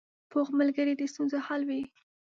پوخ ملګری د ستونزو حل وي